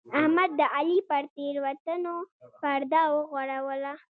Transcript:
احمد د علي پر تېروتنو پرده وغوړوله.